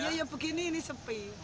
iya ya begini ini sepi